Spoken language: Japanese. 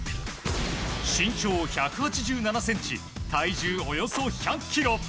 身長１８７ｃｍ体重およそ１００ｋｇ。